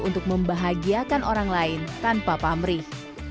untuk membahagiakan orang lain tanpa pamrih